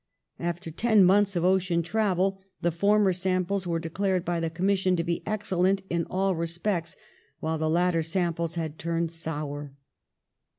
After ten months of ocean travel the former samples were declared by the commis sion to be excellent in all respects, while the lat ter samples had turned sour.